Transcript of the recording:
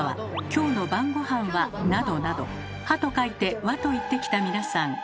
「今日の晩ご飯は」などなど「は」と書いて「わ」といってきた皆さん。